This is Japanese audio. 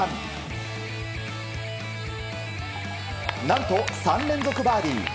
何と、３連続バーディー。